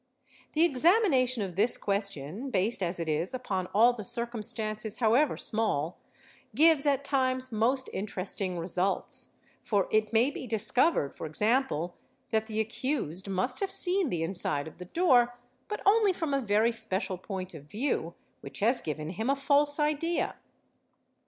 The examin tion of this question, based as it is upon all the circumstances however aall, gives at times most interesting results, for it may be discovered, pexample, that the accused must have seen the inside of the door but ly from a very special point of view which has given him a false idea.